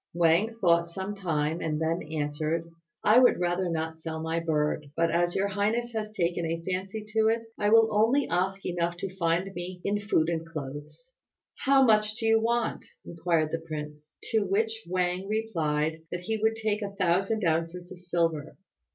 Wang thought some time, and then answered, "I would rather not sell my bird; but as your highness has taken a fancy to it I will only ask enough to find me in food and clothes." "How much do you want?" inquired the prince; to which Wang replied that he would take a thousand ounces of silver.